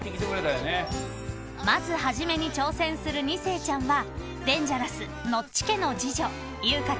［まず初めに挑戦する２世ちゃんはデンジャラスノッチ家の次女ゆうかちゃん９歳］